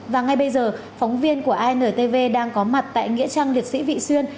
và ngay bây giờ phóng viên của intv đang có mặt tại nghĩa trang liệt sĩ vị xuyên